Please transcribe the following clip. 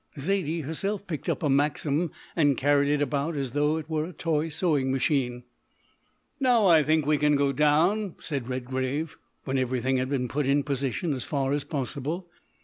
Zaidie herself picked up a Maxim and carried it about as though it were a toy sewing machine. "Now I think we can go down," said Redgrave, when everything had been put in position as far as possible.